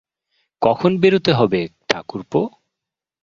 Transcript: – কখন বেরোতে হবে ঠাকুরপো?